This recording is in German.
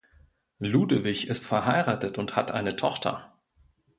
Ludewig ist verheiratet und hat eine Tochter.